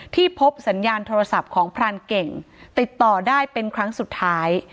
ที่พบสัญญาณโทรศัพท์ของพรานเก่งติดต่อได้เป็นครั้งสุดท้าย